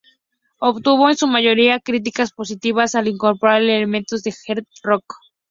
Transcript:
Obtuvo, en su mayoría, críticas positivas al incorporar elementos del "heartland rock".